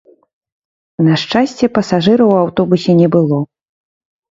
На шчасце, пасажыраў у аўтобусе не было.